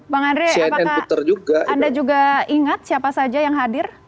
bang andre apakah anda juga ingat siapa saja yang hadir